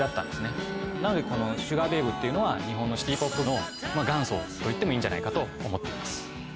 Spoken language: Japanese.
なのでこのシュガー・ベイブっていうのは日本の。と言ってもいいんじゃないかと思っています。